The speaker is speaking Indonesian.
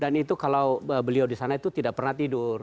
itu kalau beliau di sana itu tidak pernah tidur